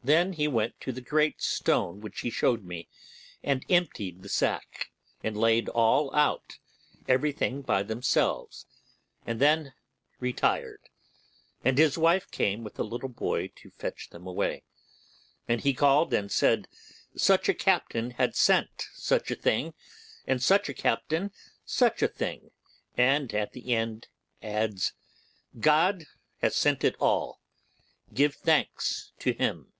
Then he went to the great stone which he showed me and emptied the sack, and laid all out, everything by themselves, and then retired; and his wife came with a little boy to fetch them away, and called and said such a captain had sent such a thing, and such a captain such a thing, and at the end adds, 'God has sent it all; give thanks to Him.